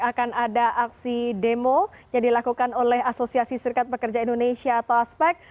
akan ada aksi demo yang dilakukan oleh asosiasi serikat pekerja indonesia atau aspek